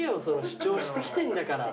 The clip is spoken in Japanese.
主張してきてんだから。